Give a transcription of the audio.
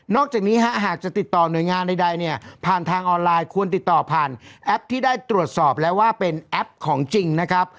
จากนี้ฮะหากจะติดต่อหน่วยงานใดเนี่ยผ่านทางออนไลน์ควรติดต่อผ่านแอปที่ได้ตรวจสอบแล้วว่าเป็นแอปของจริงนะครับ